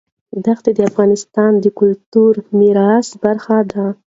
دښتې د افغانستان د کلتوري میراث برخه ده.